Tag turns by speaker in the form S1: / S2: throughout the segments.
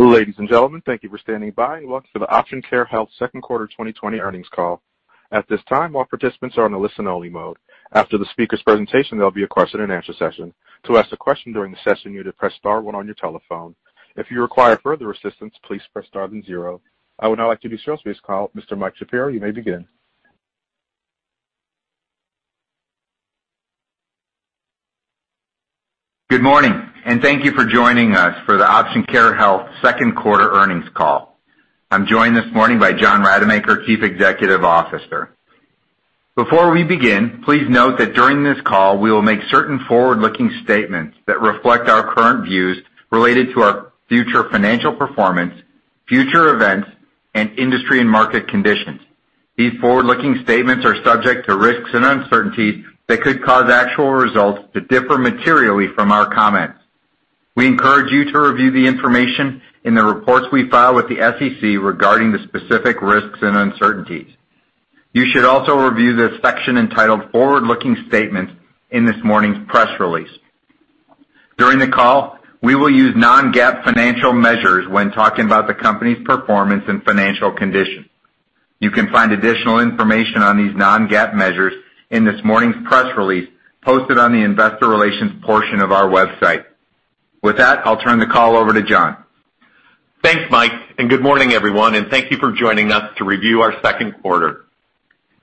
S1: Ladies and gentlemen, thank you for standing by and welcome to the Option Care Health Second Quarter 2020 Earnings Call. At this time, all participants are in a listen-only mode. After the speaker's presentation, there'll be a question and answer session. To ask a question during the session, you need to press star one on your telephone. If you require further assistance, please press star then zero. I would now like to introduce this call, Mr. Mike Shapiro, you may begin.
S2: Good morning, and thank you for joining us for the Option Care Health second quarter earnings call. I'm joined this morning by John Rademacher, Chief Executive Officer. Before we begin, please note that during this call, we will make certain forward-looking statements that reflect our current views related to our future financial performance, future events, and industry and market conditions. These forward-looking statements are subject to risks and uncertainties that could cause actual results to differ materially from our comments. We encourage you to review the information in the reports we file with the SEC regarding the specific risks and uncertainties. You should also review the section entitled Forward-Looking Statements in this morning's press release. During the call, we will use non-GAAP financial measures when talking about the company's performance and financial condition. You can find additional information on these non-GAAP measures in this morning's press release posted on the investor relations portion of our website. With that, I'll turn the call over to John.
S3: Thanks, Mike. Good morning, everyone, and thank you for joining us to review our second quarter.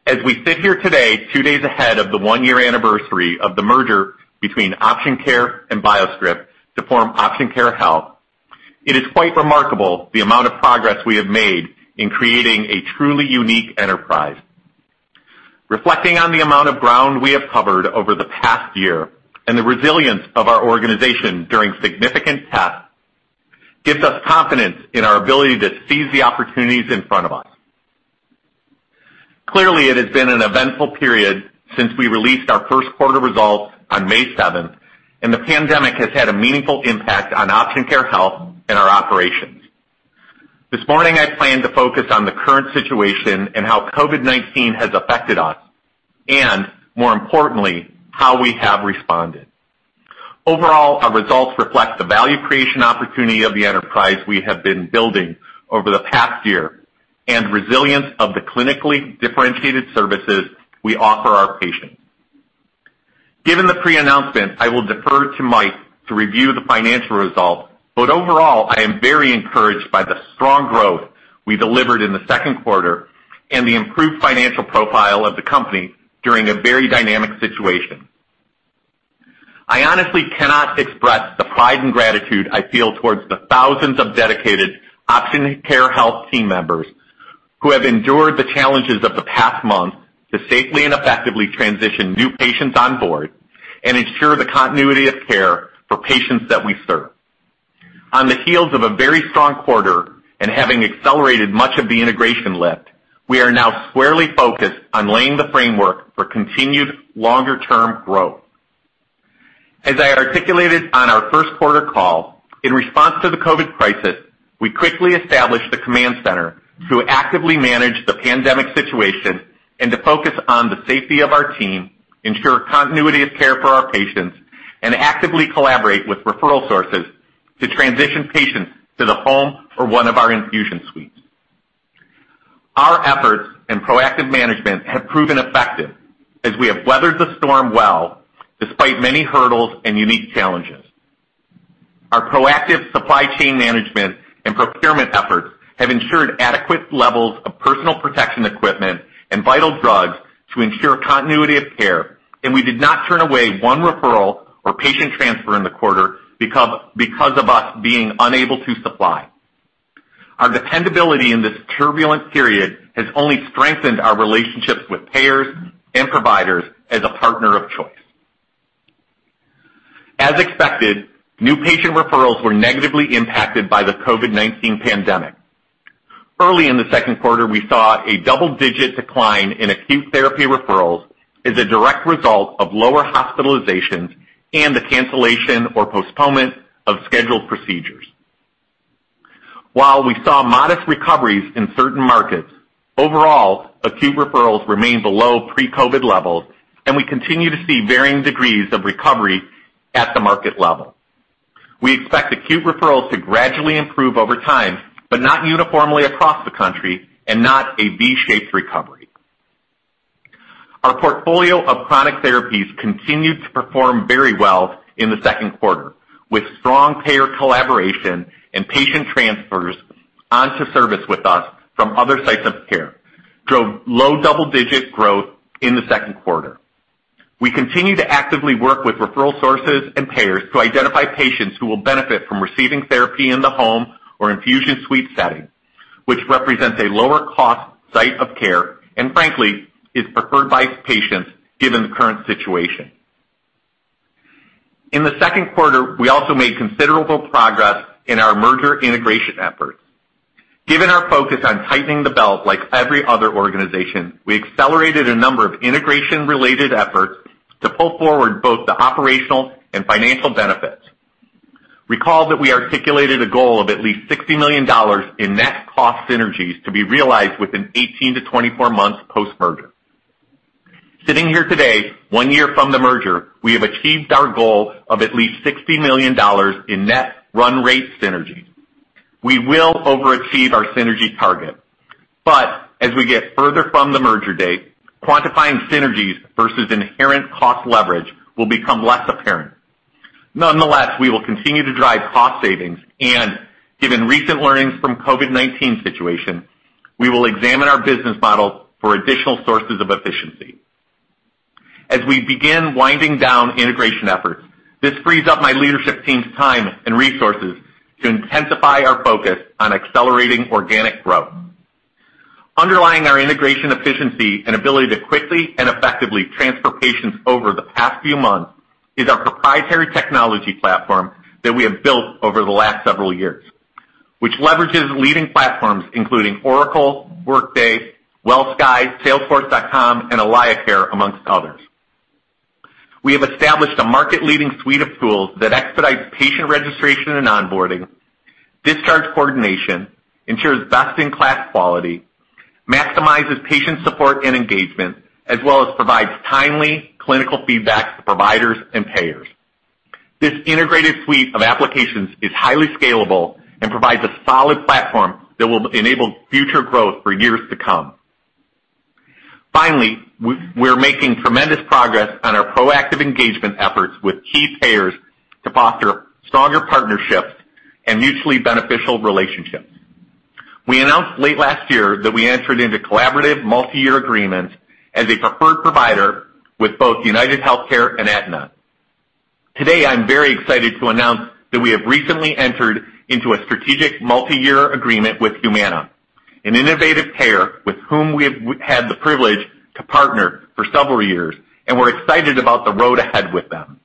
S3: As we sit here today, two days ahead of the one-year anniversary of the merger between Option Care and BioScrip to form Option Care Health, it is quite remarkable the amount of progress we have made in creating a truly unique enterprise. Reflecting on the amount of ground we have covered over the past year and the resilience of our organization during significant tests gives us confidence in our ability to seize the opportunities in front of us. Clearly, it has been an eventful period since we released our first quarter results on May 7th. The pandemic has had a meaningful impact on Option Care Health and our operations. This morning, I plan to focus on the current situation and how COVID-19 has affected us. More importantly, how we have responded. Overall, our results reflect the value creation opportunity of the enterprise we have been building over the past year and resilience of the clinically differentiated services we offer our patients. Given the pre-announcement, I will defer to Mike to review the financial results, but overall, I am very encouraged by the strong growth we delivered in the second quarter and the improved financial profile of the company during a very dynamic situation. I honestly cannot express the pride and gratitude I feel towards the thousands of dedicated Option Care Health team members who have endured the challenges of the past month to safely and effectively transition new patients on board and ensure the continuity of care for patients that we serve. On the heels of a very strong quarter and having accelerated much of the integration lift, we are now squarely focused on laying the framework for continued longer-term growth. As I articulated on our first quarter call, in response to the COVID crisis, we quickly established the command center to actively manage the pandemic situation and to focus on the safety of our team, ensure continuity of care for our patients, and actively collaborate with referral sources to transition patients to the home or one of our infusion suites. Our efforts and proactive management have proven effective as we have weathered the storm well, despite many hurdles and unique challenges. Our proactive supply chain management and procurement efforts have ensured adequate levels of personal protection equipment and vital drugs to ensure continuity of care, and we did not turn away one referral or patient transfer in the quarter because of us being unable to supply. Our dependability in this turbulent period has only strengthened our relationships with payers and providers as a partner of choice. As expected, new patient referrals were negatively impacted by the COVID-19 pandemic. Early in the second quarter, we saw a double-digit decline in acute therapy referrals as a direct result of lower hospitalizations and the cancellation or postponement of scheduled procedures. While we saw modest recoveries in certain markets, overall, acute referrals remain below pre-COVID levels, and we continue to see varying degrees of recovery at the market level. We expect acute referrals to gradually improve over time, but not uniformly across the country and not a V-shaped recovery. Our portfolio of chronic therapies continued to perform very well in the second quarter, with strong payer collaboration and patient transfers onto service with us from other sites of care, drove low double-digit growth in the second quarter. We continue to actively work with referral sources and payers to identify patients who will benefit from receiving therapy in the home or infusion suite setting, which represents a lower cost site of care, and frankly, is preferred by patients given the current situation. In the second quarter, we also made considerable progress in our merger integration efforts. Given our focus on tightening the belt like every other organization, we accelerated a number of integration-related efforts to pull forward both the operational and financial benefits. Recall that we articulated a goal of at least $60 million in net cost synergies to be realized within 18-24 months post-merger. Sitting here today, one year from the merger, we have achieved our goal of at least $60 million in net run rate synergy. We will overachieve our synergy target, but as we get further from the merger date, quantifying synergies versus inherent cost leverage will become less apparent. Nonetheless, we will continue to drive cost savings, and given recent learnings from COVID-19 situation, we will examine our business model for additional sources of efficiency. As we begin winding down integration efforts, this frees up my leadership team's time and resources to intensify our focus on accelerating organic growth. Underlying our integration efficiency and ability to quickly and effectively transfer patients over the past few months is our proprietary technology platform that we have built over the last several years, which leverages leading platforms including Oracle, Workday, WellSky, Salesforce.com, and AlayaCare, amongst others. We have established a market-leading suite of tools that expedite patient registration and onboarding, discharge coordination, ensures best-in-class quality, maximizes patient support and engagement, as well as provides timely clinical feedback to providers and payers. This integrated suite of applications is highly scalable and provides a solid platform that will enable future growth for years to come. Finally, we're making tremendous progress on our proactive engagement efforts with key payers to foster stronger partnerships and mutually beneficial relationships. We announced late last year that we entered into collaborative multi-year agreements as a preferred provider with both UnitedHealthcare and Aetna. Today, I'm very excited to announce that we have recently entered into a strategic multi-year agreement with Humana, an innovative payer with whom we have had the privilege to partner for several years, and we're excited about the road ahead with them.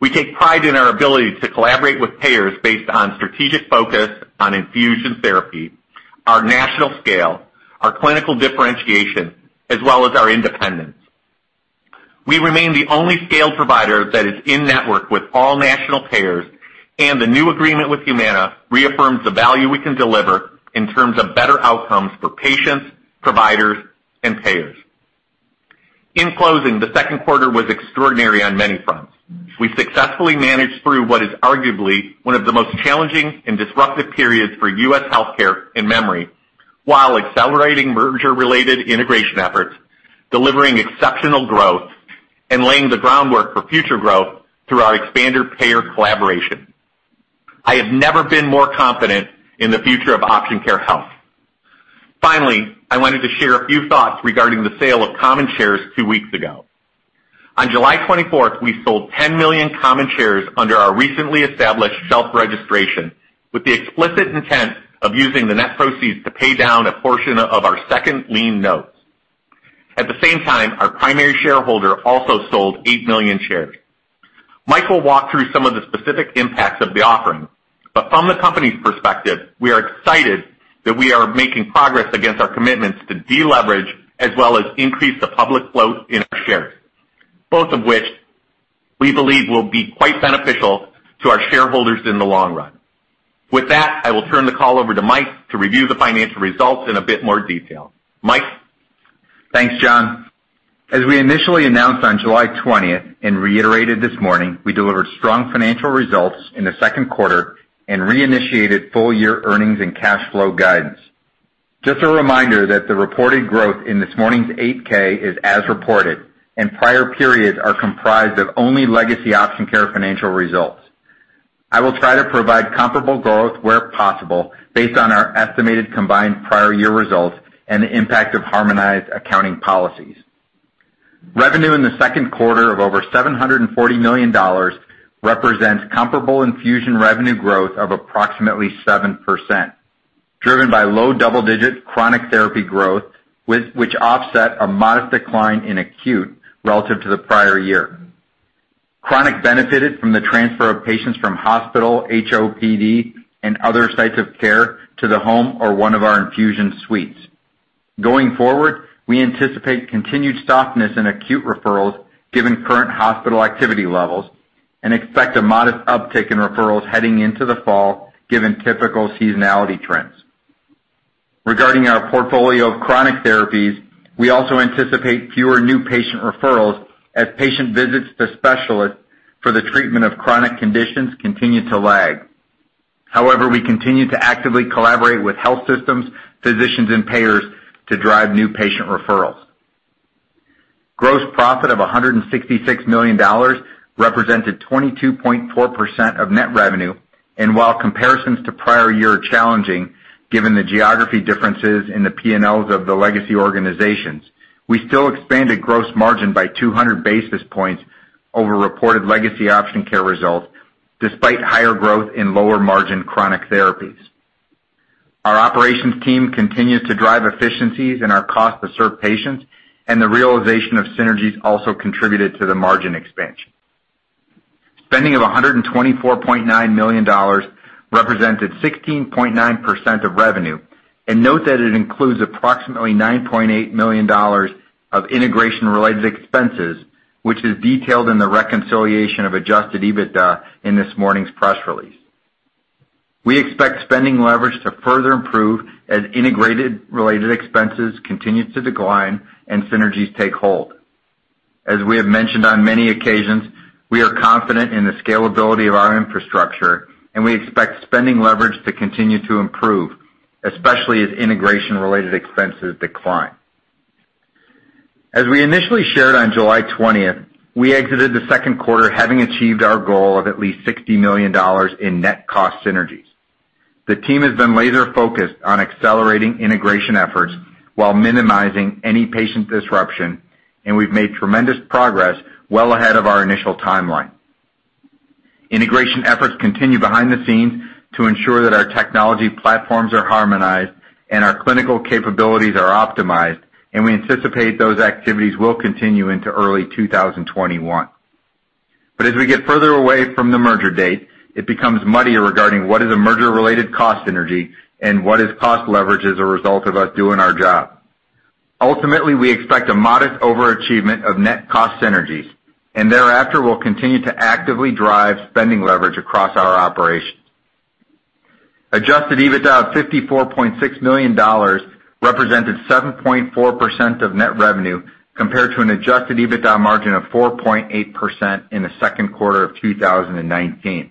S3: We take pride in our ability to collaborate with payers based on strategic focus on infusion therapy, our national scale, our clinical differentiation, as well as our independence. We remain the only scaled provider that is in-network with all national payers. The new agreement with Humana reaffirms the value we can deliver in terms of better outcomes for patients, providers, and payers. In closing, the second quarter was extraordinary on many fronts. We successfully managed through what is arguably one of the most challenging and disruptive periods for U.S. healthcare in memory, while accelerating merger-related integration efforts, delivering exceptional growth, and laying the groundwork for future growth through our expanded payer collaboration. I have never been more confident in the future of Option Care Health. Finally, I wanted to share a few thoughts regarding the sale of common shares two weeks ago. On July 24th, we sold 10 million common shares under our recently established shelf registration, with the explicit intent of using the net proceeds to pay down a portion of our second lien notes. At the same time, our primary shareholder also sold eight million shares. Mike will walk through some of the specific impacts of the offering, but from the company's perspective, we are excited that we are making progress against our commitments to deleverage, as well as increase the public float in our shares, both of which we believe will be quite beneficial to our shareholders in the long run. With that, I will turn the call over to Mike to review the financial results in a bit more detail. Mike?
S2: Thanks, John. As we initially announced on July 20th and reiterated this morning, we delivered strong financial results in the second quarter and reinitiated full-year earnings and cash flow guidance. Just a reminder that the reported growth in this morning's 8-K is as reported and prior periods are comprised of only legacy Option Care financial results. I will try to provide comparable growth where possible based on our estimated combined prior year results and the impact of harmonized accounting policies. Revenue in the second quarter of over $740 million represents comparable infusion revenue growth of approximately 7%, driven by low double-digit chronic therapy growth, which offset a modest decline in acute relative to the prior year. Chronic benefited from the transfer of patients from hospital, HOPD, and other sites of care to the home or one of our infusion suites. Going forward, we anticipate continued softness in acute referrals given current hospital activity levels and expect a modest uptick in referrals heading into the fall given typical seasonality trends. Regarding our portfolio of chronic therapies, we also anticipate fewer new patient referrals as patient visits to specialists for the treatment of chronic conditions continue to lag. However, we continue to actively collaborate with health systems, physicians, and payers to drive new patient referrals. Gross profit of $166 million represented 22.4% of net revenue, and while comparisons to prior year are challenging, given the geography differences in the P&Ls of the legacy organizations, we still expanded gross margin by 200 basis points over reported legacy Option Care results, despite higher growth in lower-margin chronic therapies. Our operations team continues to drive efficiencies in our cost to serve patients, and the realization of synergies also contributed to the margin expansion. Spending of $124.9 million represented 16.9% of revenue. Note that it includes approximately $9.8 million of integration-related expenses, which is detailed in the reconciliation of adjusted EBITDA in this morning's press release. We expect spending leverage to further improve as integration-related expenses continue to decline and synergies take hold. As we have mentioned on many occasions, we are confident in the scalability of our infrastructure, and we expect spending leverage to continue to improve, especially as integration-related expenses decline. As we initially shared on July 20th, we exited the second quarter having achieved our goal of at least $60 million in net cost synergies. The team has been laser-focused on accelerating integration efforts while minimizing any patient disruption, and we've made tremendous progress well ahead of our initial timeline. Integration efforts continue behind the scenes to ensure that our technology platforms are harmonized and our clinical capabilities are optimized, and we anticipate those activities will continue into early 2021. As we get further away from the merger date, it becomes muddier regarding what is a merger-related cost synergy and what is cost leverage as a result of us doing our job. Ultimately, we expect a modest overachievement of net cost synergies, and thereafter, we'll continue to actively drive spending leverage across our operations. Adjusted EBITDA of $54.6 million represented 7.4% of net revenue compared to an adjusted EBITDA margin of 4.8% in the second quarter of 2019.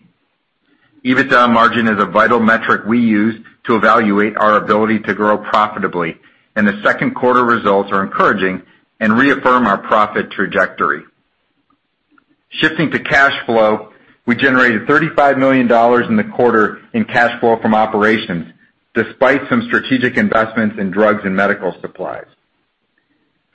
S2: EBITDA margin is a vital metric we use to evaluate our ability to grow profitably, and the second quarter results are encouraging and reaffirm our profit trajectory. Shifting to cash flow, we generated $35 million in the quarter in cash flow from operations, despite some strategic investments in drugs and medical supplies.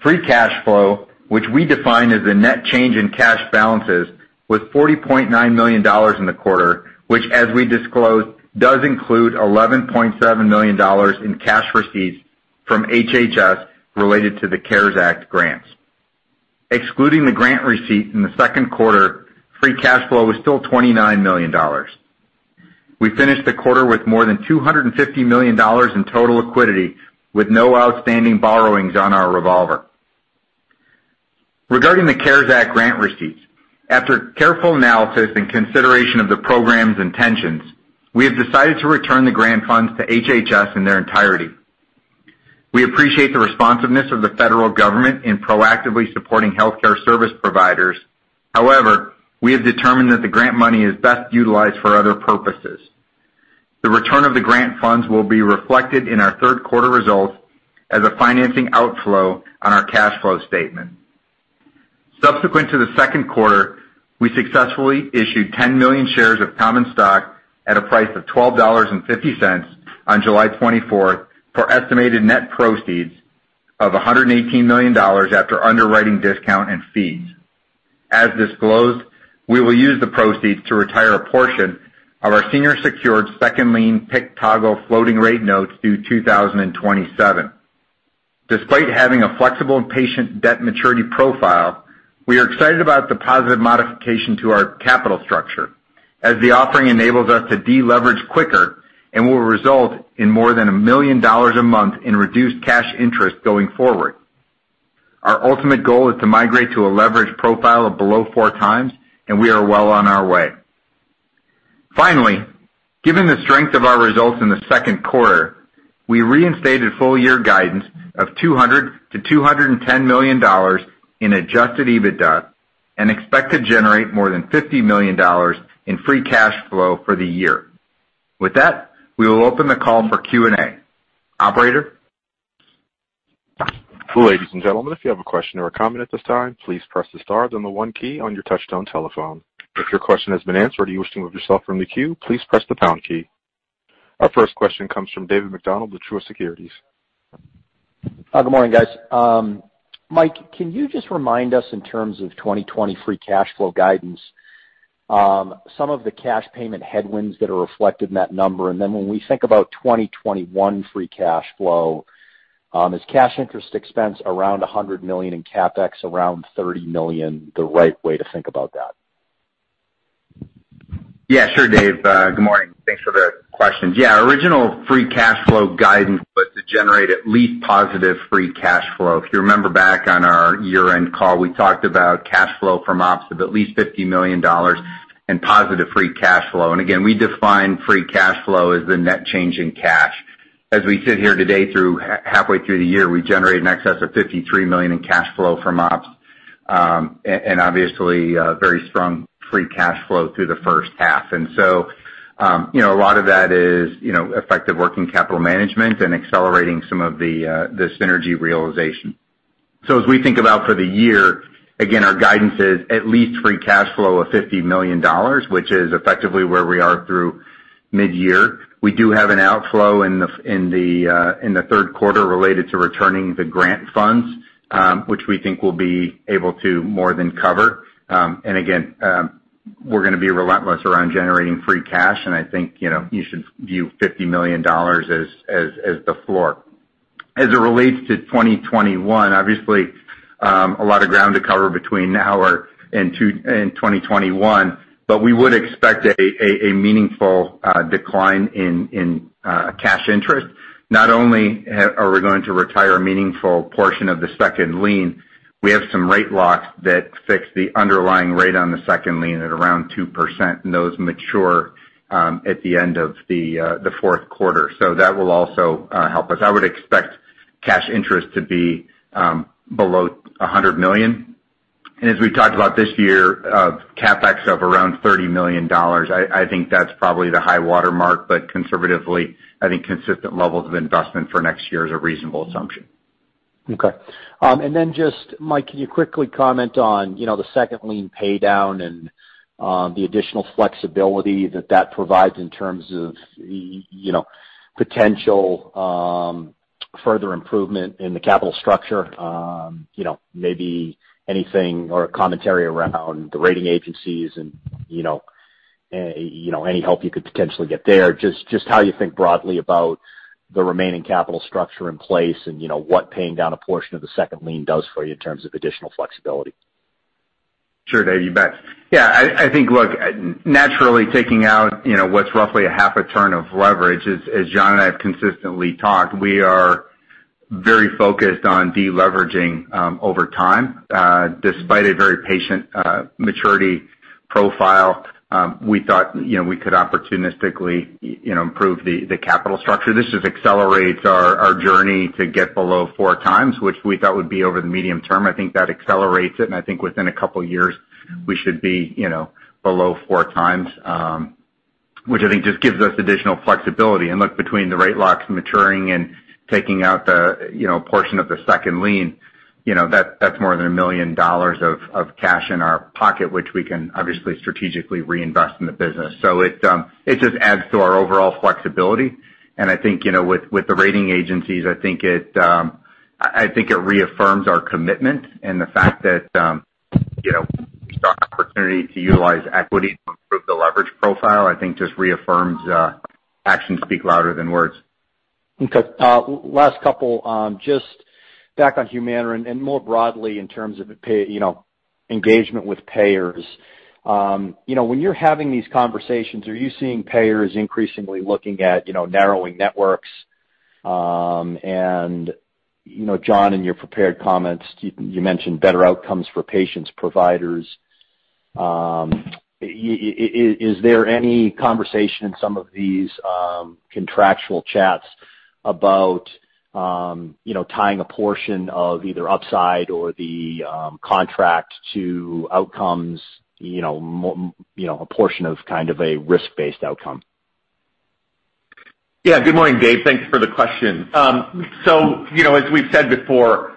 S2: Free cash flow, which we define as the net change in cash balances, was $40.9 million in the quarter, which, as we disclosed, does include $11.7 million in cash receipts from HHS related to the CARES Act grants. Excluding the grant receipt in the second quarter, free cash flow was still $29 million. We finished the quarter with more than $250 million in total liquidity, with no outstanding borrowings on our revolver. Regarding the CARES Act grant receipts, after careful analysis and consideration of the program's intentions, we have decided to return the grant funds to HHS in their entirety. We appreciate the responsiveness of the federal government in proactively supporting healthcare service providers. We have determined that the grant money is best utilized for other purposes. The return of the grant funds will be reflected in our third quarter results as a financing outflow on our cash flow statement. Subsequent to the second quarter, we successfully issued 10 million shares of common stock at a price of $12.50 on July 24th for estimated net proceeds of $118 million after underwriting discount and fees. As disclosed, we will use the proceeds to retire a portion of our senior secured second lien PIK toggle floating rate notes due 2027. Despite having a flexible and patient debt maturity profile, we are excited about the positive modification to our capital structure, as the offering enables us to deleverage quicker and will result in more than $1 million a month in reduced cash interest going forward. Our ultimate goal is to migrate to a leverage profile of below 4x, and we are well on our way. Finally, given the strength of our results in the second quarter, we reinstated full year guidance of $200 million-$210 million in adjusted EBITDA and expect to generate more than $50 million in free cash flow for the year. With that, we will open the call for Q&A. Operator?
S1: Ladies and gentlemen, if you have a question or a comment at this time, please press the star then the one key on your touchtone telephone. If your question has been answered or you wish to remove yourself from the queue, please press the pound key. Our first question comes from David MacDonald with Truist Securities.
S4: Good morning, guys. Mike, can you just remind us in terms of 2020 free cash flow guidance, some of the cash payment headwinds that are reflected in that number? When we think about 2021 free cash flow, is cash interest expense around $100 million and CapEx around $30 million the right way to think about that?
S2: Sure, David. Good morning. Thanks for the questions. Original free cash flow guidance was to generate at least positive free cash flow. If you remember back on our year-end call, we talked about cash flow from ops of at least $50 million and positive free cash flow. We define free cash flow as the net change in cash. As we sit here today halfway through the year, we generate in excess of $53 million in cash flow from ops. Obviously, very strong free cash flow through the first half. A lot of that is effective working capital management and accelerating some of the synergy realization. As we think about for the year, again, our guidance is at least free cash flow of $50 million, which is effectively where we are through mid-year. We do have an outflow in the third quarter related to returning the grant funds, which we think will be able to more than cover. Again, we're going to be relentless around generating free cash, and I think you should view $50 million as the floor. As it relates to 2021, obviously, a lot of ground to cover between now and 2021, but we would expect a meaningful decline in cash interest. Not only are we going to retire a meaningful portion of the second lien, we have some rate locks that fix the underlying rate on the second lien at around 2%, and those mature at the end of the fourth quarter. That will also help us. I would expect cash interest to be below $100 million. As we've talked about this year, CapEx of around $30 million. I think that's probably the high watermark, but conservatively, I think consistent levels of investment for next year is a reasonable assumption.
S4: Okay. Mike, can you quickly comment on the second lien pay down and the additional flexibility that that provides in terms of potential further improvement in the capital structure? Maybe anything or commentary around the rating agencies and any help you could potentially get there. Just how you think broadly about the remaining capital structure in place and what paying down a portion of the second lien does for you in terms of additional flexibility.
S2: Sure, Dave, you bet. I think, look, naturally taking out what's roughly a half a turn of leverage, as John and I have consistently talked, we are very focused on de-leveraging over time. Despite a very patient maturity profile, we thought we could opportunistically improve the capital structure. This just accelerates our journey to get below 4x, which we thought would be over the medium term. I think that accelerates it, I think within a couple of years we should be below 4x, which I think just gives us additional flexibility. Look, between the rate locks maturing and taking out the portion of the second lien, that's more than $1 million of cash in our pocket, which we can obviously strategically reinvest in the business. It just adds to our overall flexibility, and I think with the rating agencies, I think it reaffirms our commitment and the fact that the opportunity to utilize equity to improve the leverage profile, I think just reaffirms actions speak louder than words.
S4: Okay. Last couple, just back on Humana and more broadly in terms of engagement with payers. When you're having these conversations, are you seeing payers increasingly looking at narrowing networks? John, in your prepared comments, you mentioned better outcomes for patients, providers. Is there any conversation in some of these contractual chats about tying a portion of either upside or the contract to outcomes, a portion of kind of a risk-based outcome?
S3: Good morning, Dave. Thanks for the question. As we've said before,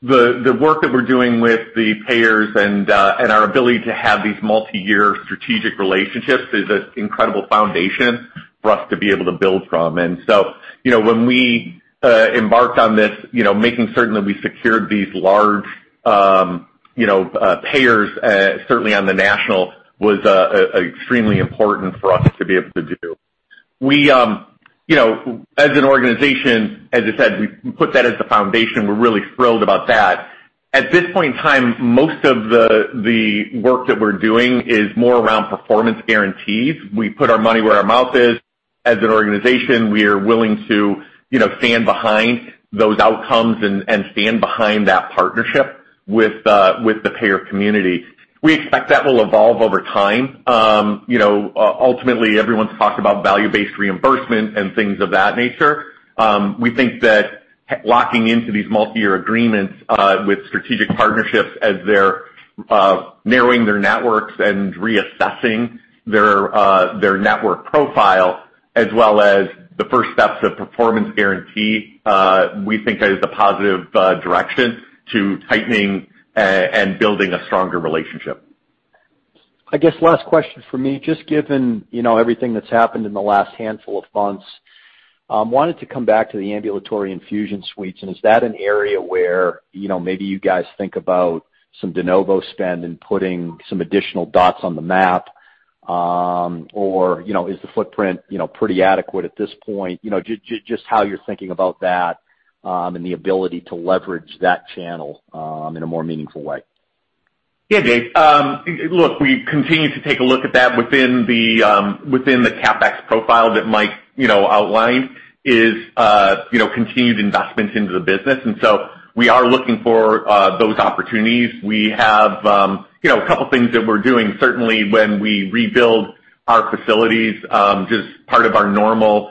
S3: the work that we're doing with the payers and our ability to have these multi-year strategic relationships is an incredible foundation for us to be able to build from. When we embarked on this, making certain that we secured these large payers, certainly on the national, was extremely important for us to be able to do. As an organization, as I said, we put that as the foundation. We're really thrilled about that. At this point in time, most of the work that we're doing is more around performance guarantees. We put our money where our mouth is. As an organization, we are willing to stand behind those outcomes and stand behind that partnership with the payer community. We expect that will evolve over time. Ultimately, everyone's talked about value-based reimbursement and things of that nature. We think that locking into these multi-year agreements, with strategic partnerships as they're narrowing their networks and reassessing their network profile, as well as the first steps of performance guarantee, we think is a positive direction to tightening and building a stronger relationship.
S4: I guess last question from me, just given everything that's happened in the last handful of months, wanted to come back to the ambulatory infusion suites. Is that an area where maybe you guys think about some de novo spend and putting some additional dots on the map? Or is the footprint pretty adequate at this point? Just how you're thinking about that, and the ability to leverage that channel in a more meaningful way.
S3: Dave. Look, we continue to take a look at that within the CapEx profile that Mike outlined is continued investment into the business. We are looking for those opportunities. We have a couple things that we're doing, certainly when we rebuild our facilities, just part of our normal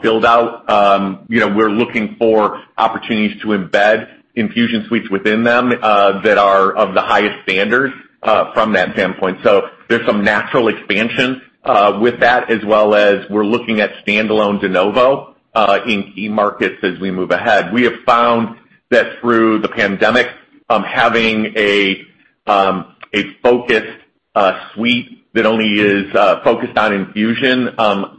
S3: build-out. We're looking for opportunities to embed infusion suites within them, that are of the highest standards from that standpoint. There's some natural expansion with that, as well as we're looking at standalone de novo in key markets as we move ahead. We have found that through the pandemic, having a focused suite that only is focused on infusion,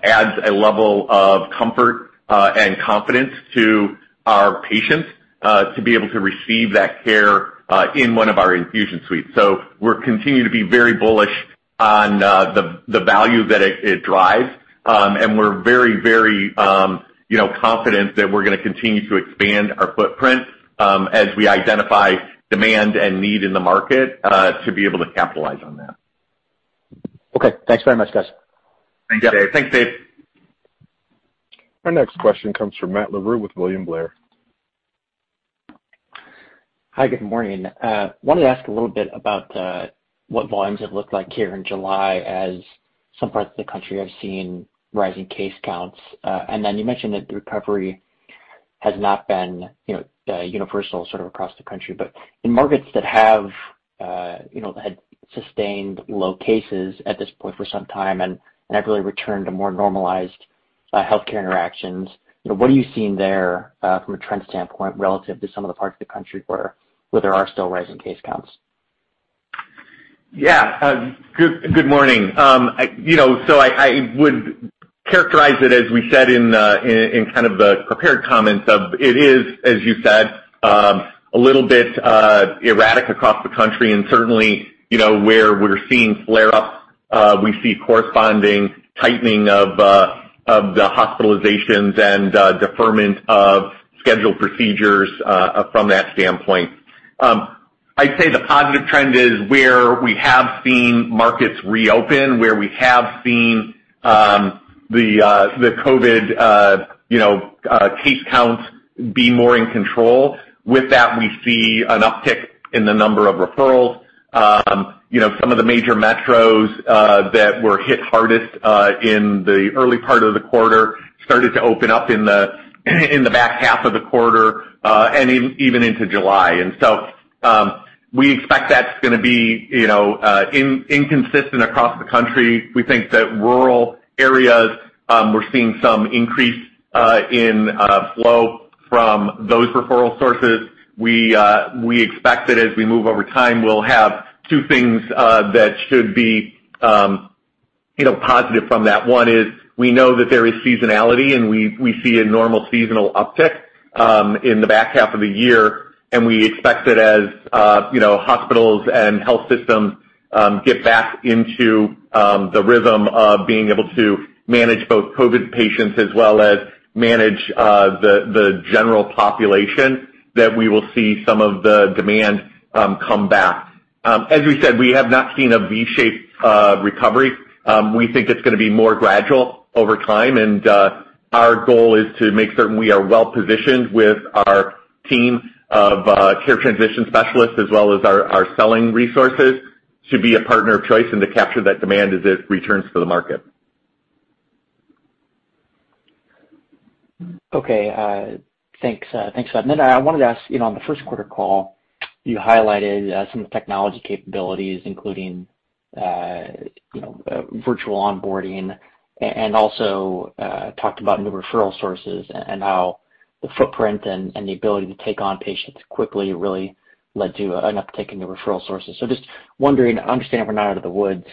S3: adds a level of comfort and confidence to our patients, to be able to receive that care in one of our infusion suites. We're continuing to be very bullish on the value that it drives. We're very confident that we're going to continue to expand our footprint as we identify demand and need in the market, to be able to capitalize on that.
S4: Okay. Thanks very much, guys.
S3: Thanks, Dave.
S2: Yeah. Thanks, Dave.
S1: Our next question comes from Matt Larew with William Blair.
S5: Hi, good morning. Wanted to ask a little bit about what volumes have looked like here in July, as some parts of the country have seen rising case counts. You mentioned that the recovery has not been universal sort of across the country, but in markets that had sustained low cases at this point for some time and have really returned to more normalized healthcare interactions, what are you seeing there from a trend standpoint relative to some of the parts of the country where there are still rising case counts?
S3: Yeah. Good morning. I would characterize it, as we said in kind of the prepared comments of it is, as you said a little bit erratic across the country and certainly, where we're seeing flare-ups, we see corresponding tightening of the hospitalizations and deferment of scheduled procedures, from that standpoint. I'd say the positive trend is where we have seen markets reopen, where we have seen the COVID case counts be more in control. With that, we see an uptick in the number of referrals. Some of the major metros that were hit hardest in the early part of the quarter started to open up in the back half of the quarter, and even into July. We expect that's going to be inconsistent across the country. We think that rural areas, we're seeing some increase in flow from those referral sources. We expect that as we move over time, we'll have two things that should be positive from that. One is we know that there is seasonality, and we see a normal seasonal uptick in the back half of the year, and we expect it as hospitals and health systems get back into the rhythm of being able to manage both COVID-19 patients as well as manage the general population, that we will see some of the demand come back. As we said, we have not seen a V-shaped recovery. We think it's going to be more gradual over time, and our goal is to make certain we are well-positioned with our team of care transition specialists as well as our selling resources to be a partner of choice and to capture that demand as it returns to the market.
S5: Okay. Thanks. I wanted to ask, on the first quarter call, you highlighted some of the technology capabilities, including virtual onboarding and also talked about new referral sources and how the footprint and the ability to take on patients quickly really led to an uptick in the referral sources. Just wondering, I understand we're not out of the woods,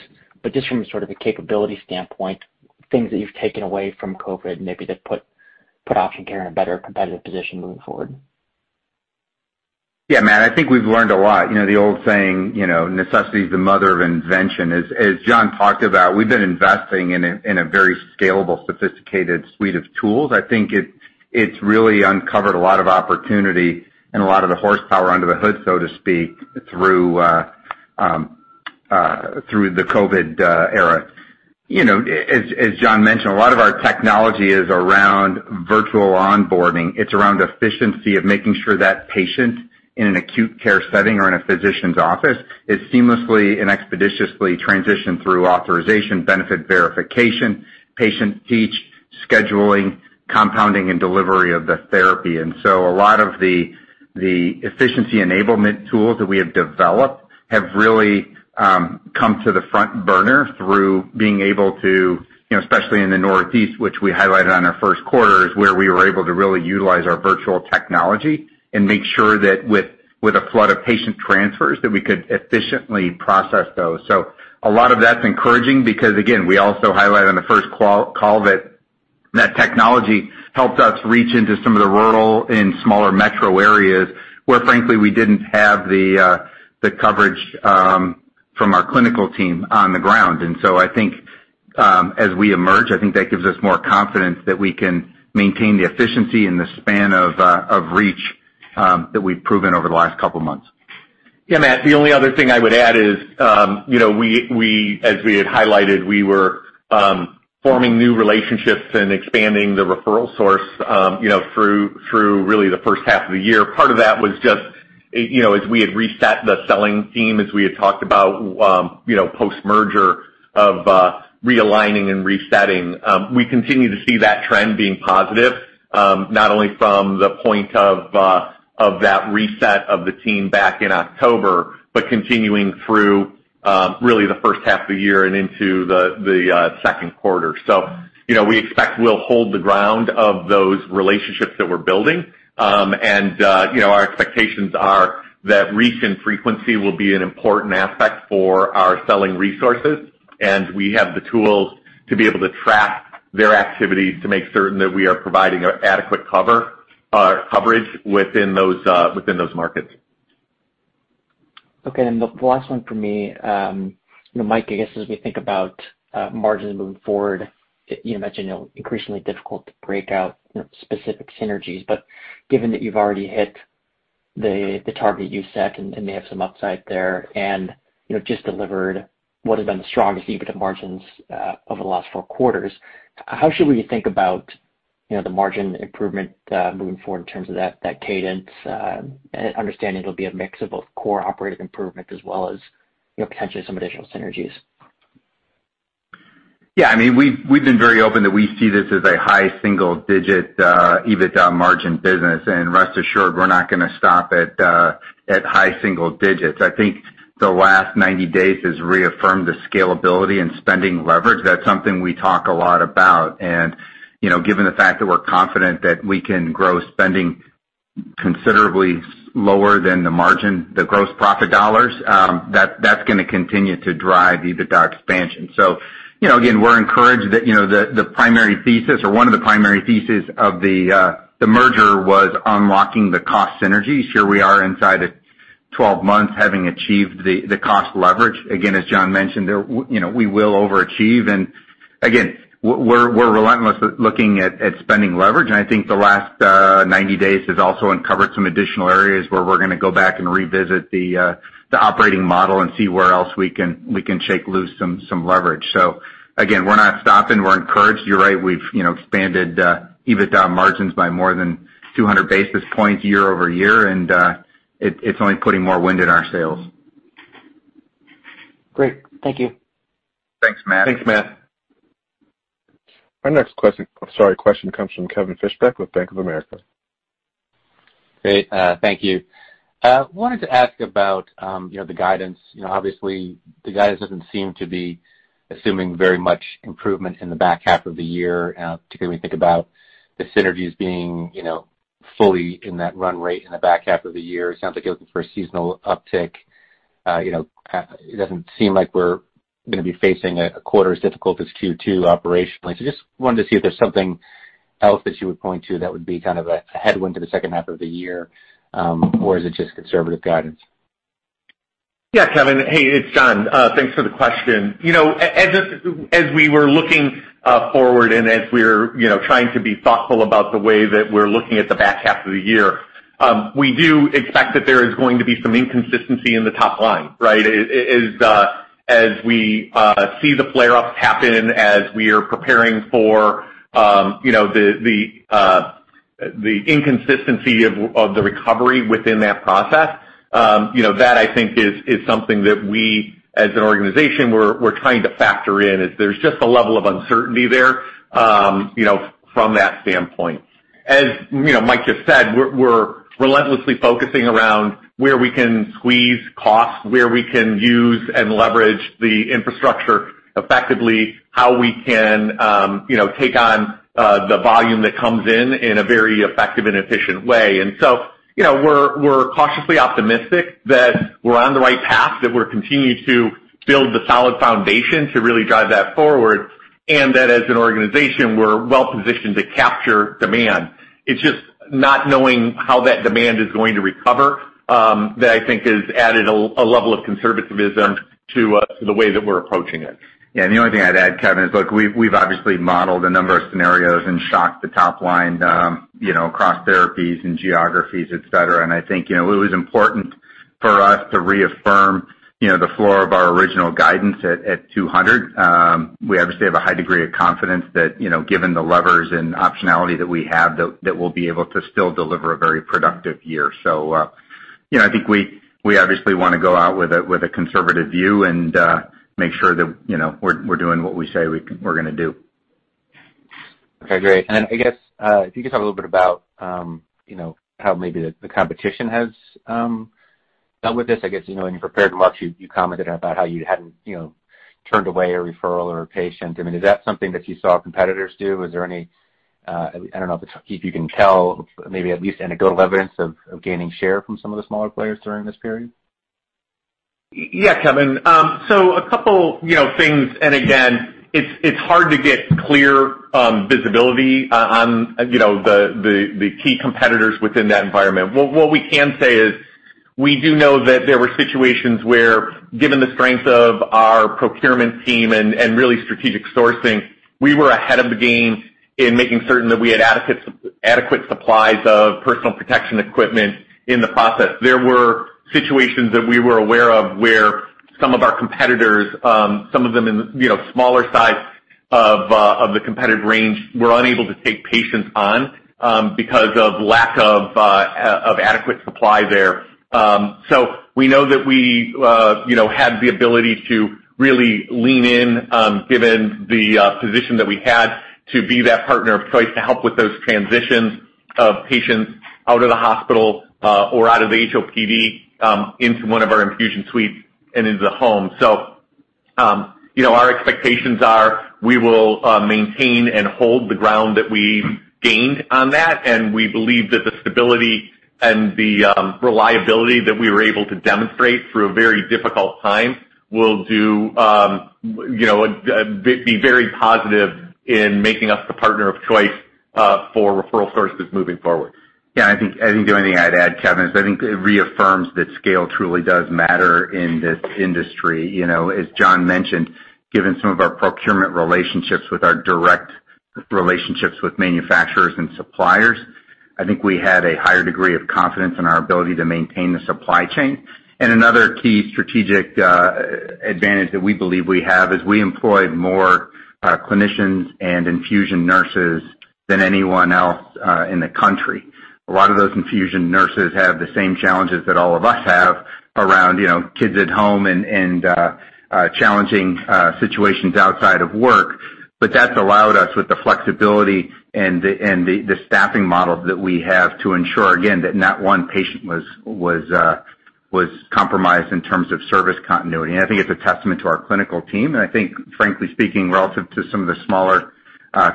S5: but just from sort of a capability standpoint, things that you've taken away from COVID, maybe that put Option Care in a better competitive position moving forward.
S2: Yeah, Matt, I think we've learned a lot. The old saying, "Necessity is the mother of invention." As John talked about, we've been investing in a very scalable, sophisticated suite of tools. I think it's really uncovered a lot of opportunity and a lot of the horsepower under the hood, so to speak, through the COVID era. As John mentioned, a lot of our technology is around virtual onboarding. It's around efficiency of making sure that patient in an acute care setting or in a physician's office is seamlessly and expeditiously transitioned through authorization, benefit verification, patient teach, scheduling, compounding, and delivery of the therapy. A lot of the efficiency enablement tools that we have developed have really come to the front burner through being able to, especially in the Northeast, which we highlighted on our first quarter, is where we were able to really utilize our virtual technology and make sure that with a flood of patient transfers, that we could efficiently process those. A lot of that's encouraging because, again, we also highlighted on the first call that technology helped us reach into some of the rural and smaller metro areas where frankly, we didn't have the coverage from our clinical team on the ground. I think, as we emerge, I think that gives us more confidence that we can maintain the efficiency and the span of reach that we've proven over the last couple of months.
S3: Yeah, Matt, the only other thing I would add is as we had highlighted, we were forming new relationships and expanding the referral source through really the first half of the year. Part of that was just as we had reset the selling team, as we had talked about post-merger of realigning and resetting. We continue to see that trend being positive, not only from the point of that reset of the team back in October, but continuing through really the first half of the year and into the second quarter. We expect we'll hold the ground of those relationships that we're building. Our expectations are that reach and frequency will be an important aspect for our selling resources, and we have the tools to be able to track their activities to make certain that we are providing adequate coverage within those markets.
S5: Okay. The last one for me. Mike, I guess as we think about margins moving forward, you mentioned increasingly difficult to break out specific synergies, but given that you've already hit the target you set and may have some upside there and just delivered what has been the strongest EBITDA margins over the last four quarters, how should we think about the margin improvement moving forward in terms of that cadence, understanding it'll be a mix of both core operative improvements as well as potentially some additional synergies.
S2: Yeah. We've been very open that we see this as a high single-digit EBITDA margin business. Rest assured, we're not going to stop at high single digits. I think the last 90 days has reaffirmed the scalability and spending leverage. That's something we talk a lot about. Given the fact that we're confident that we can grow spending considerably lower than the margin, the gross profit dollars, that's going to continue to drive EBITDA expansion. Again, we're encouraged that the primary thesis or one of the primary theses of the merger was unlocking the cost synergies. Here we are inside of 12 months, having achieved the cost leverage. Again, as John mentioned, we will overachieve. Again, we're relentless at looking at spending leverage, and I think the last 90 days has also uncovered some additional areas where we're going to go back and revisit the operating model and see where else we can shake loose some leverage. Again, we're not stopping. We're encouraged. You're right, we've expanded EBITDA margins by more than 200 basis points year-over-year, and it's only putting more wind in our sails.
S5: Great. Thank you.
S2: Thanks, Matt.
S1: Thanks, Matt. Our next question comes from Kevin Fischbeck with Bank of America.
S6: Great. Thank you. I wanted to ask about the guidance. Obviously, the guidance doesn't seem to be assuming very much improvement in the back half of the year, particularly when you think about the synergies being fully in that run rate in the back half of the year. It sounds like you're looking for a seasonal uptick. It doesn't seem like we're going to be facing a quarter as difficult as Q2 operationally. Just wanted to see if there's something else that you would point to that would be kind of a headwind to the second half of the year, or is it just conservative guidance?
S3: Yeah, Kevin. Hey, it's John. Thanks for the question. As we were looking forward and as we're trying to be thoughtful about the way that we're looking at the back half of the year, we do expect that there is going to be some inconsistency in the top line, right? As we see the flare-ups happen, as we are preparing for the inconsistency of the recovery within that process, that I think is something that we as an organization, we're trying to factor in, is there's just a level of uncertainty there from that standpoint. As Mike just said, we're relentlessly focusing around where we can squeeze costs, where we can use and leverage the infrastructure effectively, how we can take on the volume that comes in in a very effective and efficient way. We're cautiously optimistic that we're on the right path, that we're continuing to build the solid foundation to really drive that forward, and that as an organization, we're well-positioned to capture demand. It's just not knowing how that demand is going to recover that I think has added a level of conservativism to the way that we're approaching it.
S2: Yeah. The only thing I'd add, Kevin, is, look, we've obviously modeled a number of scenarios and shocked the top line across therapies and geographies, et cetera. I think it was important for us to reaffirm the floor of our original guidance at $200. We obviously have a high degree of confidence that, given the levers and optionality that we have, that we'll be able to still deliver a very productive year. I think we obviously want to go out with a conservative view and make sure that we're doing what we say we're going to do.
S6: Okay, great. I guess, if you could talk a little bit about how maybe the competition has dealt with this? I guess, in your prepared remarks, you commented about how you hadn't turned away a referral or a patient. Is that something that you saw competitors do? Is there any, I don't know if you can tell, maybe at least anecdotal evidence of gaining share from some of the smaller players during this period?
S3: Yeah, Kevin. A couple things, and again, it's hard to get clear visibility on the key competitors within that environment. What we can say is we do know that there were situations where, given the strength of our procurement team and really strategic sourcing, we were ahead of the game in making certain that we had adequate supplies of personal protection equipment in the process. There were situations that we were aware of where some of our competitors, some of them in smaller size of the competitive range, were unable to take patients on because of lack of adequate supply there. We know that we had the ability to really lean in, given the position that we had to be that partner of choice to help with those transitions of patients out of the hospital or out of the HOPD into one of our infusion suites and into the home. Our expectations are we will maintain and hold the ground that we've gained on that, and we believe that the stability and the reliability that we were able to demonstrate through a very difficult time will be very positive in making us the partner of choice for referral sources moving forward.
S2: Yeah, I think the only thing I'd add, Kevin, is I think it reaffirms that scale truly does matter in this industry. As John mentioned, given some of our procurement relationships with our direct relationships with manufacturers and suppliers, I think we had a higher degree of confidence in our ability to maintain the supply chain. Another key strategic advantage that we believe we have is we employed more clinicians and infusion nurses than anyone else in the country. A lot of those infusion nurses have the same challenges that all of us have around, kids at home and challenging situations outside of work. That's allowed us with the flexibility and the staffing model that we have to ensure, again, that not one patient was compromised in terms of service continuity. I think it's a testament to our clinical team. I think frankly speaking, relative to some of the smaller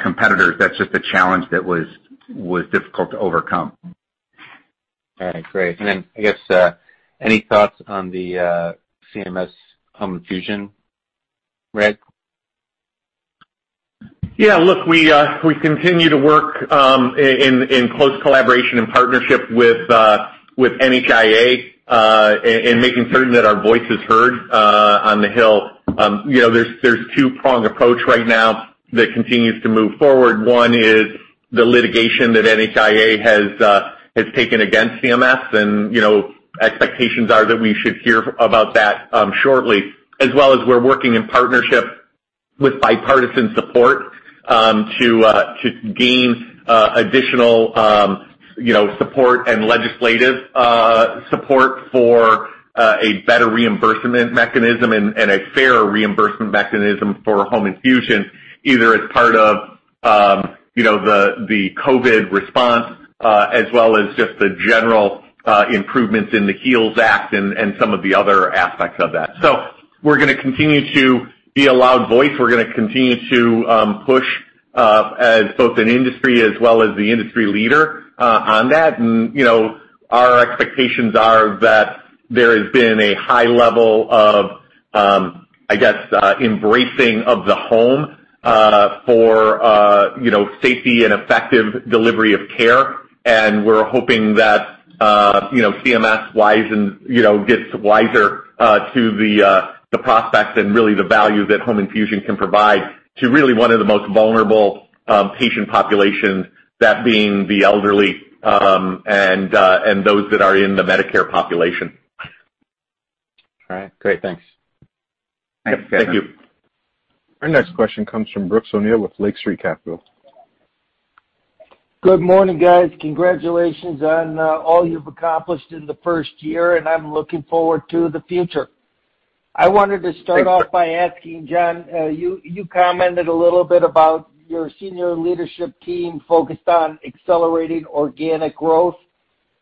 S2: competitors, that's just a challenge that was difficult to overcome.
S6: All right, great. Then I guess, any thoughts on the CMS home infusion reg?
S3: Yeah, look, we continue to work in close collaboration and partnership with NHIA in making certain that our voice is heard on the Hill. There's two-prong approach right now that continues to move forward. One is the litigation that NHIA has taken against CMS, and expectations are that we should hear about that shortly, as well as we're working in partnership with bipartisan support to gain additional support and legislative support for a better reimbursement mechanism and a fairer reimbursement mechanism for home infusion, either as part of the COVID-19 response, as well as just the general improvements in the HEALS Act and some of the other aspects of that. We're going to continue to be a loud voice. We're going to continue to push as both an industry as well as the industry leader on that. Our expectations are that there has been a high level of I guess embracing of the home for safety and effective delivery of care. We're hoping that CMS gets wiser to the prospects and really the value that home infusion can provide to really one of the most vulnerable patient populations, that being the elderly, and those that are in the Medicare population.
S6: All right. Great. Thanks.
S3: Thank you.
S2: Thank you.
S1: Our next question comes from Brooks O'Neil with Lake Street Capital.
S7: Good morning, guys. Congratulations on all you've accomplished in the first year, and I'm looking forward to the future. I wanted to start off by asking John, you commented a little bit about your senior leadership team focused on accelerating organic growth.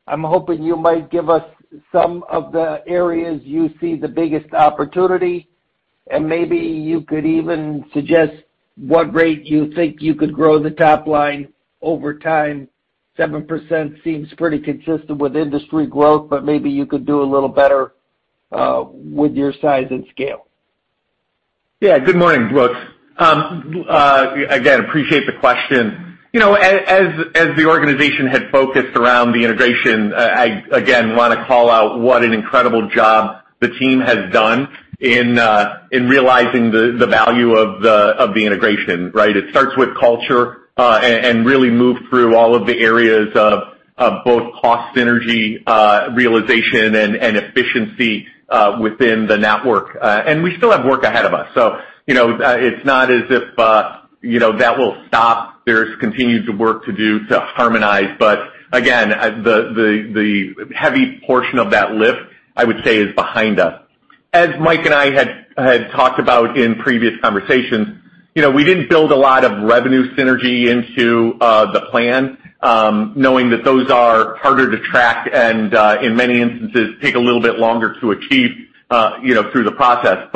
S7: I'm hoping you might give us some of the areas you see the biggest opportunity, and maybe you could even suggest what rate you think you could grow the top line over time. 7% seems pretty consistent with industry growth, maybe you could do a little better with your size and scale.
S3: Yeah. Good morning, Brooks. Again, appreciate the question. As the organization had focused around the integration, I again want to call out what an incredible job the team has done in realizing the value of the integration, right? It starts with culture and really move through all of the areas of both cost synergy realization and efficiency within the network. We still have work ahead of us, so it's not as if that will stop. There's continued work to do to harmonize. Again, the heavy portion of that lift, I would say, is behind us. As Mike and I had talked about in previous conversations, we didn't build a lot of revenue synergy into the plan, knowing that those are harder to track and in many instances, take a little bit longer to achieve through the process.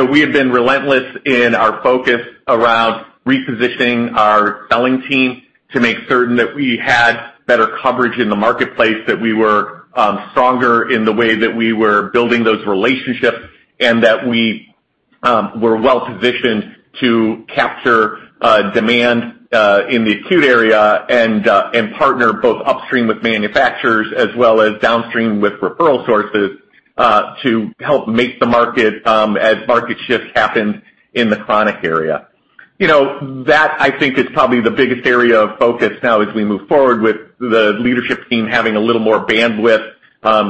S3: We have been relentless in our focus around repositioning our selling team to make certain that we had better coverage in the marketplace, that we were stronger in the way that we were building those relationships, and that we were well-positioned to capture demand in the acute area and partner both upstream with manufacturers as well as downstream with referral sources to help make the market as market shifts happened in the chronic area. That I think is probably the biggest area of focus now as we move forward with the leadership team having a little more bandwidth,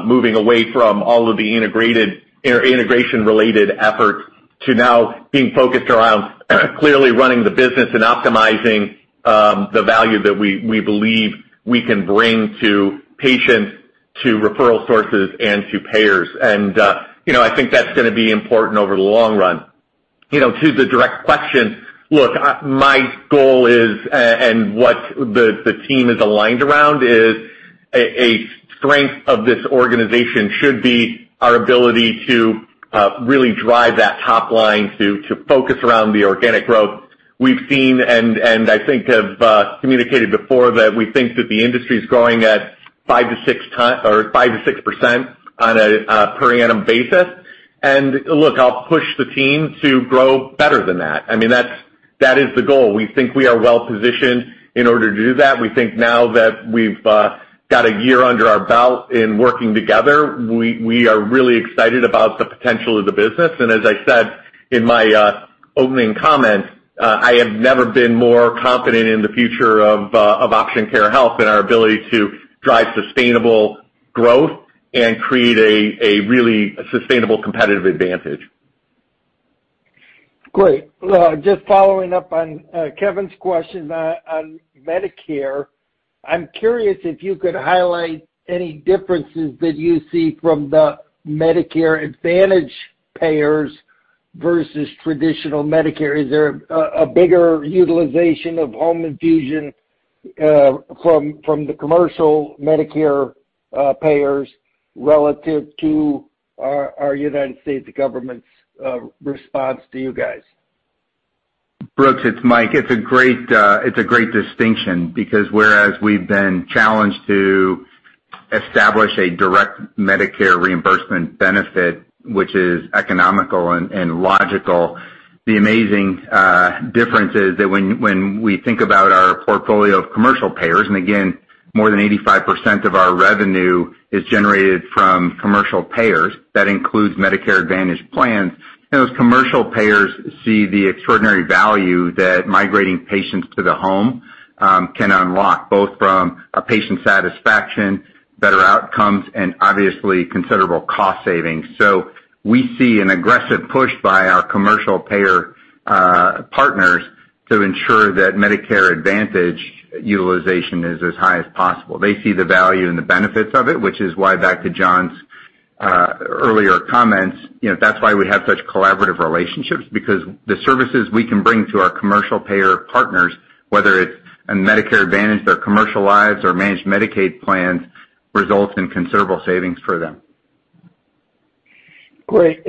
S3: moving away from all of the integration-related efforts to now being focused around clearly running the business and optimizing the value that we believe we can bring to patients, to referral sources, and to payers. I think that's going to be important over the long run. To the direct question, look, my goal is, and what the team is aligned around is a strength of this organization should be our ability to really drive that top line to focus around the organic growth. We've seen and I think I've communicated before that we think that the industry's growing at 5%-6% on a per annum basis. I'll push the team to grow better than that. I mean, that is the goal. We think we are well-positioned in order to do that. We think now that we've got a year under our belt in working together. We are really excited about the potential of the business. As I said in my opening comments, I have never been more confident in the future of Option Care Health and our ability to drive sustainable growth and create a really sustainable competitive advantage.
S7: Great. Just following up on Kevin's question on Medicare. I am curious if you could highlight any differences that you see from the Medicare Advantage payers versus traditional Medicare. Is there a bigger utilization of home infusion from the commercial Medicare payers relative to our United States government's response to you guys?
S2: Brooks, it's Mike. It's a great distinction because whereas we've been challenged to establish a direct Medicare reimbursement benefit, which is economical and logical, the amazing difference is that when we think about our portfolio of commercial payers, and again, more than 85% of our revenue is generated from commercial payers. That includes Medicare Advantage plans. Those commercial payers see the extraordinary value that migrating patients to the home can unlock, both from a patient satisfaction, better outcomes, and obviously considerable cost savings. We see an aggressive push by our commercial payer partners to ensure that Medicare Advantage utilization is as high as possible. They see the value and the benefits of it, which is why back to John's earlier comments, that's why we have such collaborative relationships because the services we can bring to our commercial payer partners, whether it's in Medicare Advantage or commercial lives or managed Medicaid plans, results in considerable savings for them.
S7: Great.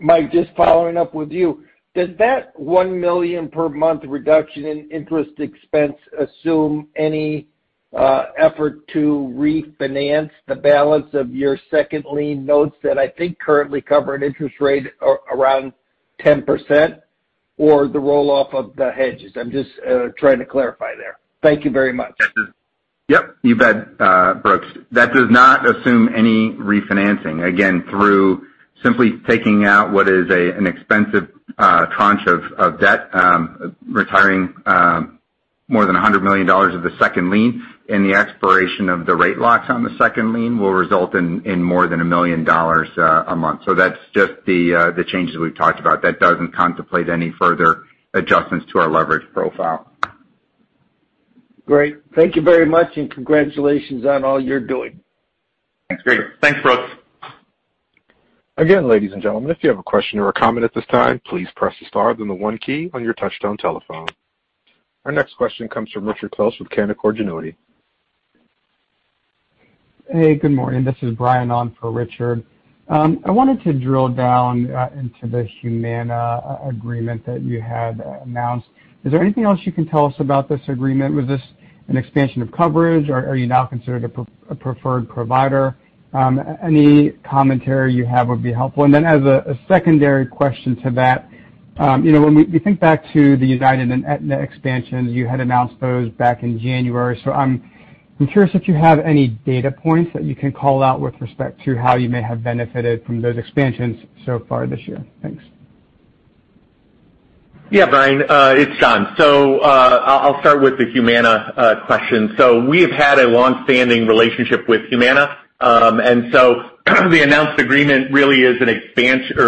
S7: Mike, just following up with you, does that $1 million per month reduction in interest expense assume any effort to refinance the balance of your second lien notes that I think currently cover an interest rate around 10% or the roll-off of the hedges? I'm just trying to clarify there. Thank you very much.
S2: Yep, you bet, Brooks. That does not assume any refinancing. Again, through simply taking out what is an expensive tranche of debt, retiring more than $100 million of the second lien and the expiration of the rate locks on the second lien will result in more than $1 million a month. That's just the changes we've talked about. That doesn't contemplate any further adjustments to our leverage profile.
S7: Great. Thank you very much, and congratulations on all you're doing.
S2: Thanks.
S3: Great. Thanks, Brooks.
S1: Again, ladies and gentlemen, if you have a question or a comment at this time, please press the star then the one key on your touchtone telephone. Our next question comes from Richard Close with Canaccord Genuity.
S8: Hey, good morning. This is Brian on for Richard. I wanted to drill down into the Humana agreement that you had announced. Is there anything else you can tell us about this agreement? Was this an expansion of coverage, or are you now considered a preferred provider? Any commentary you have would be helpful. Then as a secondary question to that, when we think back to the United and Aetna expansions, you had announced those back in January. I'm curious if you have any data points that you can call out with respect to how you may have benefited from those expansions so far this year. Thanks.
S3: Yeah, Brian. It's John. I'll start with the Humana question. The announced agreement really is an extension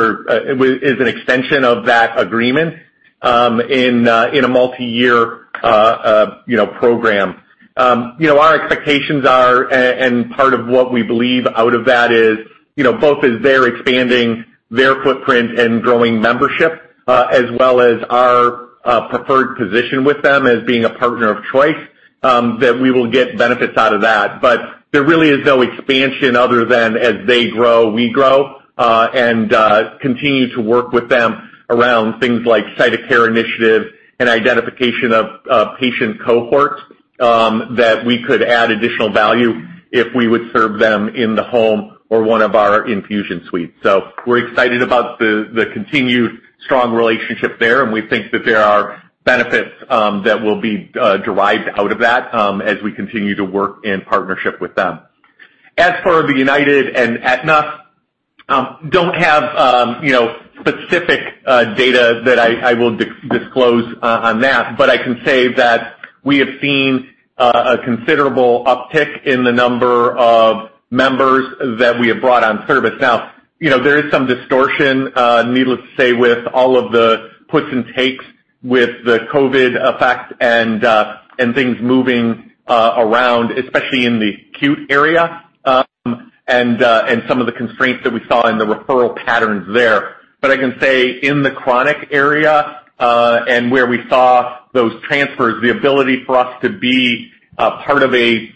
S3: of that agreement in a multi-year program. Our expectations are, and part of what we believe out of that is, both as they're expanding their footprint and growing membership, as well as our preferred position with them as being a partner of choice, that we will get benefits out of that. There really is no expansion other than as they grow, we grow, and continue to work with them around things like site of care initiatives and identification of patient cohorts, that we could add additional value if we would serve them in the home or one of our infusion suites. We're excited about the continued strong relationship there, and we think that there are benefits that will be derived out of that as we continue to work in partnership with them. As for the United and Aetna, don't have specific data that I will disclose on that, but I can say that we have seen a considerable uptick in the number of members that we have brought on service. Now, there is some distortion, needless to say, with all of the puts and takes with the COVID-19 effect and things moving around, especially in the acute area, and some of the constraints that we saw in the referral patterns there. I can say in the chronic area, and where we saw those transfers, the ability for us to be a part of a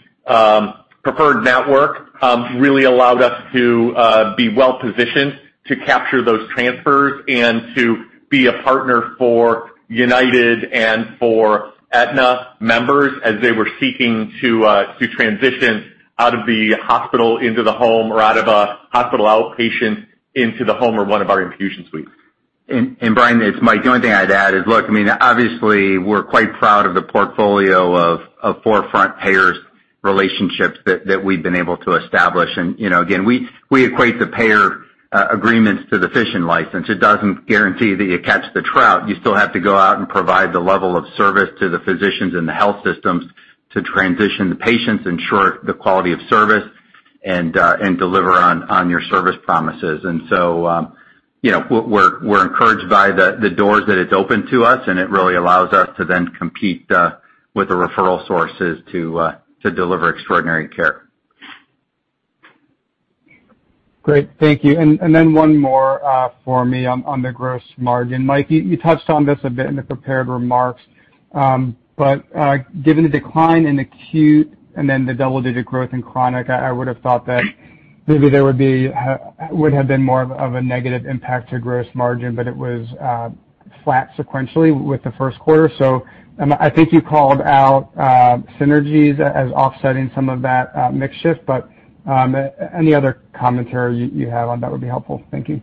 S3: preferred network, really allowed us to be well-positioned to capture those transfers and to be a partner for United and for Aetna members as they were seeking to transition out of the hospital into the home or out of a hospital outpatient into the home or one of our infusion suites.
S2: Brian, it's Mike. The only thing I'd add is, look, obviously, we're quite proud of the portfolio of forefront payers relationships that we've been able to establish. Again, we equate the payer agreements to the fishing license. It doesn't guarantee that you catch the trout. You still have to go out and provide the level of service to the physicians and the health systems to transition the patients, ensure the quality of service, and deliver on your service promises. So, we're encouraged by the doors that it's opened to us, and it really allows us to then compete with the referral sources to deliver extraordinary care.
S8: Great. Thank you. One more for me on the gross margin. Mike, you touched on this a bit in the prepared remarks. Given the decline in acute and then the double-digit growth in chronic, I would've thought that maybe there would have been more of a negative impact to gross margin, but it was flat sequentially with the first quarter. I think you called out synergies as offsetting some of that mix shift, but any other commentary you have on that would be helpful. Thank you.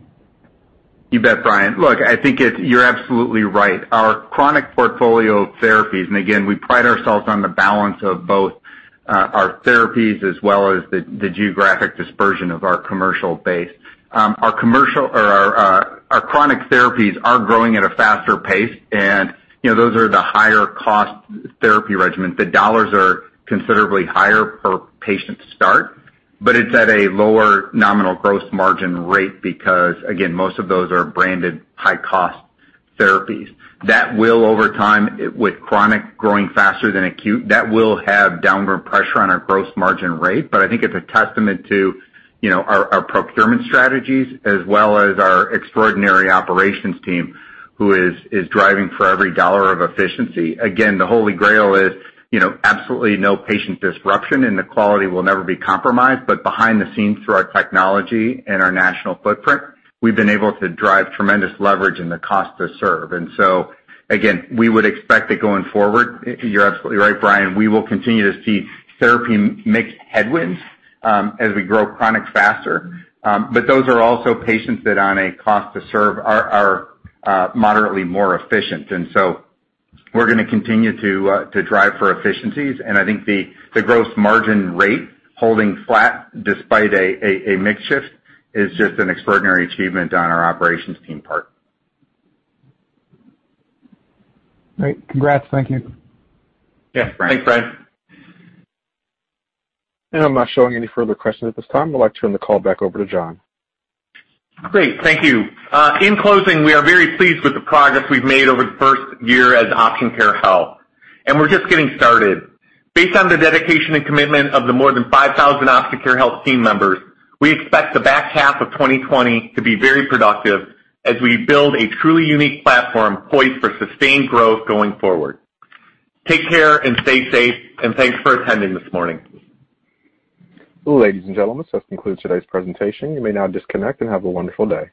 S2: You bet, Brian. Look, I think you're absolutely right. Our chronic portfolio of therapies, and again, we pride ourselves on the balance of both our therapies as well as the geographic dispersion of our commercial base. Our chronic therapies are growing at a faster pace, and those are the higher cost therapy regimens. The dollars are considerably higher per patient start, but it's at a lower nominal gross margin rate because, again, most of those are branded high-cost therapies. That will over time, with chronic growing faster than acute, that will have downward pressure on our gross margin rate. I think it's a testament to our procurement strategies as well as our extraordinary operations team, who is driving for every dollar of efficiency. Again, the Holy Grail is absolutely no patient disruption, and the quality will never be compromised. Behind the scenes, through our technology and our national footprint, we've been able to drive tremendous leverage in the cost to serve. Again, we would expect that going forward, you're absolutely right, Brian, we will continue to see therapy mix headwinds as we grow chronic faster. Those are also patients that on a cost to serve are moderately more efficient. We're going to continue to drive for efficiencies, and I think the gross margin rate holding flat despite a mix shift is just an extraordinary achievement on our operations team part.
S8: Great. Congrats. Thank you.
S2: Yeah. Thanks, Brian.
S1: I'm not showing any further questions at this time. I'd like to turn the call back over to John.
S3: Great. Thank you. In closing, we are very pleased with the progress we've made over the first year as Option Care Health, and we're just getting started. Based on the dedication and commitment of the more than 5,000 Option Care Health team members, we expect the back half of 2020 to be very productive as we build a truly unique platform poised for sustained growth going forward. Take care and stay safe, and thanks for attending this morning.
S1: Ladies and gentlemen, this concludes today's presentation. You may now disconnect, and have a wonderful day.